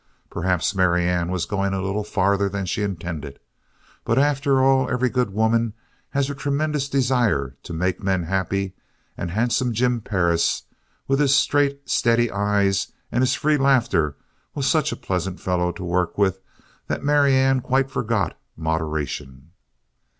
Perhaps Marianne was going a little farther than she intended. But after all, every good woman has a tremendous desire to make men happy, and handsome Jim Perris with his straight, steady eyes and his free laughter was such a pleasant fellow to work with that Marianne quite forgot moderation.